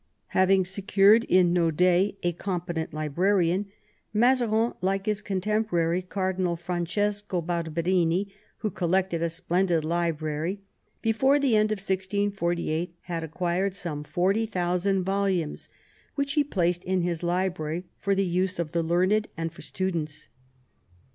Having secured in Naud^ a competent librarian, Mazarin, like his contemporary Cardinal Francesco Barberini, who collected a splendid library, before the end of 1648 had acquired some 40,000 volumes, which he placed in his library for the use of the learned and for students.